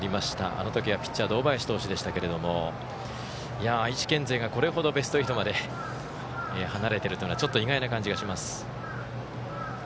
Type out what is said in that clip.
あのときはピッチャー堂林投手でしたが愛知県勢がこれほどベスト８まで離れているというのはちょっと意外な感じがします。